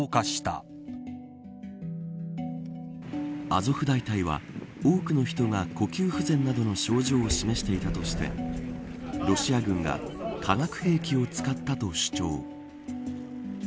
アゾフ大隊は多くの人が呼吸不全などの症状を示していたとしてロシア軍が化学兵器を使ったと主張。